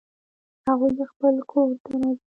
هغوی خپل کور ته راځي